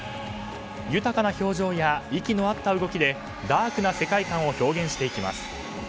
豊かな表情や息の合った動きでダークな世界観を表現していきます。